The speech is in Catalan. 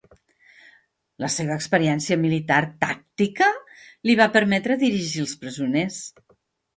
La seva experiència militar tàctica li va permetre dirigir els presoners.